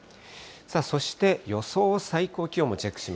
そして、予想最高気温もチェック